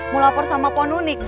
mau lapor sama pondunik